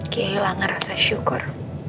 kehilangan rasa syukur